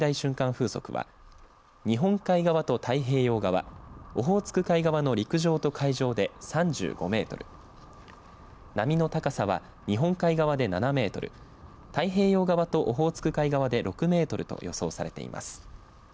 風速は日本海側と太平洋側オホーツク海側の陸上と海上で３５メートル波の高さは日本海側で７メートル太平洋側とオホーツク海側で６メートルと予想されています。